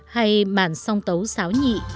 hay bản song tấu xáo nhị